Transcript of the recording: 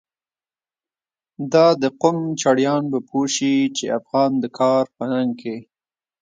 دا د قم چړیان به پوه شی، چی افغان د کار په ننگ کی